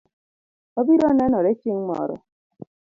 Wabiro nenore chieng' moro